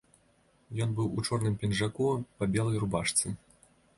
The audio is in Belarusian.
Ён быў у чорным пінжаку па белай рубашцы.